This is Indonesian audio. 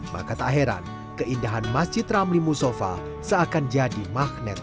maka tak heran keindahan masjid ramli musofa seakan jadi magnet